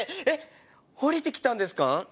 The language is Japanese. えっ降りてきたんですか？